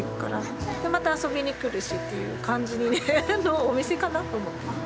でまた遊びに来るしっていう感じのお店かなと思って。